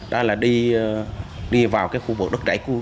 đã đi vào khu vực đất trẻ